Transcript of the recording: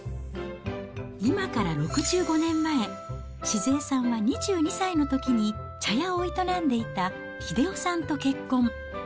今から６５年前、静恵さんが２２歳のときに茶屋を営んでいた英夫さんと結婚。